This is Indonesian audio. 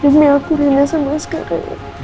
demi aku rina sama askara